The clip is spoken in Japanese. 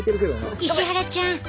石原ちゃん